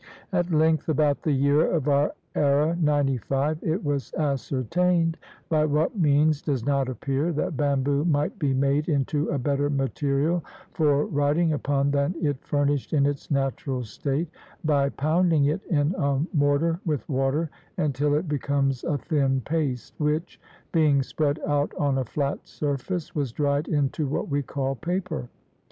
At length, about the year of our era 95, it was ascertained, 51 CHINA by what means does not appear, that bamboo might be made into a better material for writing upon than it furnished in its natural state, by pounding it in a mortar with water until it becomes a thin paste, which, being spread out on a flat surface, was dried into what we call paper.